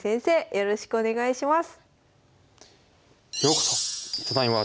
よろしくお願いします。